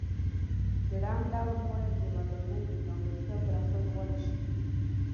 د رنګ ډول باید د ودانۍ د ځانګړتیاو پر اساس غوره شي.